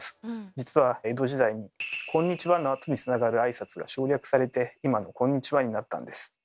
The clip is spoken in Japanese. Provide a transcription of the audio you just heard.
実は江戸時代に「こんにちは」のあとにつながる挨拶が省略されて今の「こんにちは」になったんです。